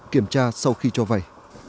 kiểm tra sau khi cho vay